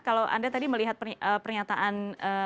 kalau anda tadi melihat pernyataan